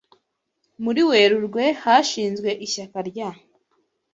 Muri Werurwe, hashinzwe ishyaka rya